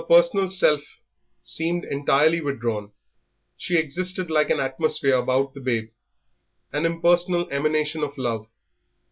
Her personal self seemed entirely withdrawn; she existed like an atmosphere about the babe, an impersonal emanation of love.